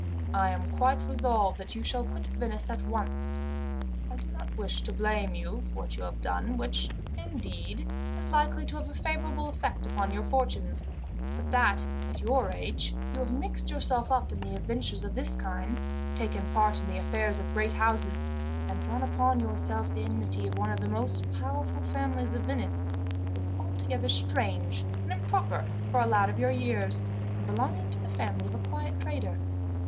"I am quite resolved that you shall quit Venice at once. I do not wish to blame you for what you have done, which, indeed, is likely to have a favourable effect upon your fortunes; but that, at your age, you have mixed yourself up in adventures of this kind, taken part in the affairs of great houses, and drawn upon yourself the enmity of one of the most powerful families of Venice, is altogether strange and improper for a lad of your years, and belonging to the family of a quiet trader.